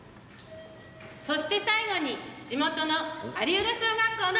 そして、最後に地元の有浦小学校の子どもたちです。